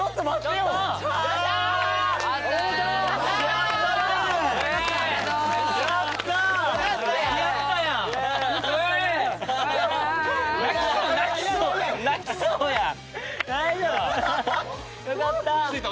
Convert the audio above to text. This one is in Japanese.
よかった！